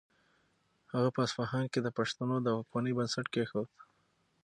هغه په اصفهان کې د پښتنو د واکمنۍ بنسټ کېښود.